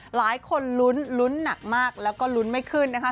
หลายคนรุ้นรุ้นนักมากและก็รุ้นไม่ขึ้นนะครับ